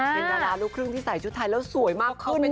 เป็นการร้านลูกครึ่งที่ใส่ชุดไทยแล้วสวยมากขึ้นมาก